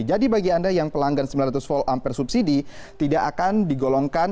jadi bagi anda yang pelanggan sembilan ratus v ampere subsidi tidak akan digolongkan